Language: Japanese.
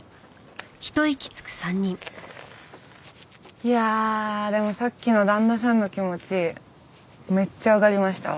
いやあでもさっきの旦那さんの気持ちめっちゃわかりましたわ。